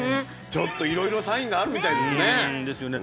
ちょっと色々サインがあるみたいですねですよね